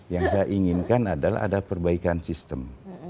yang saya inginkan adalah ada perbaikan sistem